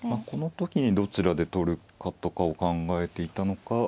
この時にどちらで取るかとかを考えていたのか。